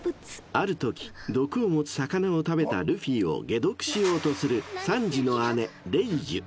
［あるとき毒を持つ魚を食べたルフィを解毒しようとするサンジの姉レイジュ］